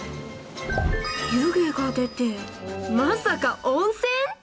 湯気が出て、まさか温泉？